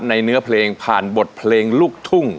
เนื้อเพลงผ่านบทเพลงลูกทุ่ง